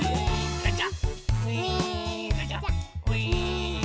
ガチャ！